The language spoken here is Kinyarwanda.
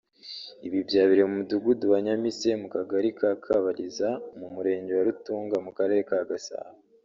Ibi byabereye mu mudugudu wa Nyamise mu kagali ka Kabaliza mu murenge wa Rutunga mu karere ka Gasabo